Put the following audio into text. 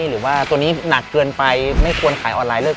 หรือว่าตัวนี้หนักเกินไปไม่ควรขายออนไลน์เลิก